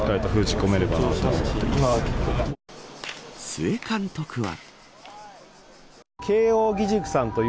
須江監督は。